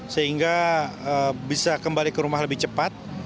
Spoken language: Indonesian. sehingga bisa kembali ke rumah lebih cepat